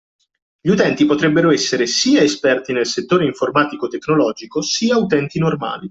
Gli utenti potrebbero essere sia esperti nel settore informatico/tecnologico, sia utenti normali